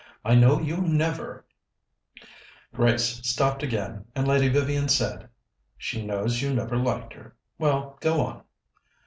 I know you never " Grace stopped again, and Lady Vivian said: "She knows you never liked her well, go on."